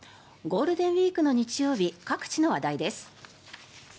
ゴールデンウィーク各地の話題です。